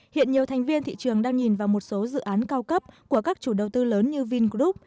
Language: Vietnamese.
hiện nhiều thành viên thị trường đang nhìn vào một số dự án cao cấp của các chủ đầu tư lớn như vingroup